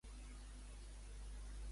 El pare d'ella va proveir de terres en dot?